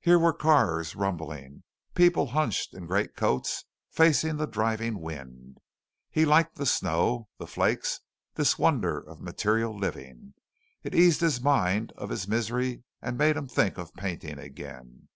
Here were cars rumbling, people hunched in great coats facing the driving wind. He liked the snow, the flakes, this wonder of material living. It eased his mind of his misery and made him think of painting again.